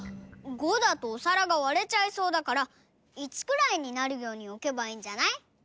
５だとおさらがわれちゃいそうだから１くらいになるようにおけばいいんじゃない？